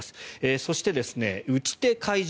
そして打ち手・会場